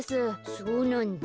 そうなんだ。